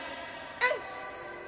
うん！